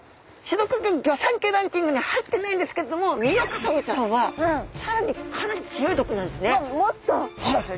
毒魚ギョ三家ランキングに入ってないんですけれどもミノカサゴちゃんは更にかなり強い毒なんですね。